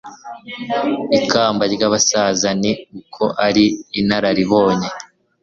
ikamba ry'abasaza, ni uko ari inararibonye